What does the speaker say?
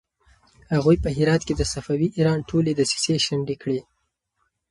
هغوی په هرات کې د صفوي ایران ټولې دسيسې شنډې کړې.